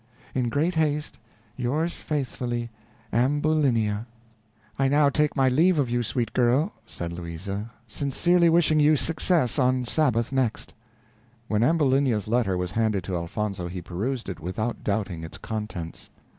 In great haste, Yours faithfully, Ambulinia. "I now take my leave of you, sweet girl," said Louisa, "sincerely wishing you success on Sabbath next." When Ambulinia's letter was handed to Elfonzo, he perused it without doubting its contents.